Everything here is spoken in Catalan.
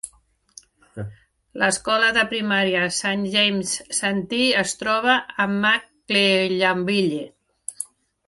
L'escola de primària Saint James-Santee es troba a McClellanville.